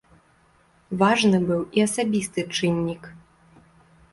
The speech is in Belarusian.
Важны быў і асабісты чыннік.